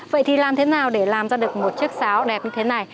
vậy thì làm thế nào để làm ra được một chiếc sáo đẹp như thế này